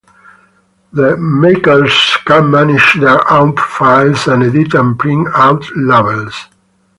The Makers can manage their own profiles and edit and print out labels.